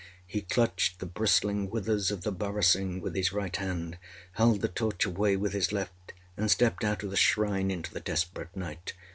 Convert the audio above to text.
â He clutched the bristling withers of the barasingh with his right hand, held the torch away with his left, and stepped out of the shrine into the desperate night.